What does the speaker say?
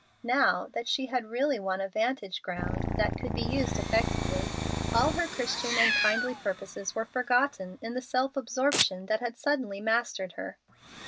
Now that she had really won a vantage ground that could be used effectively, all her Christian and kindly purposes were forgotten in the self absorption that had suddenly mastered her.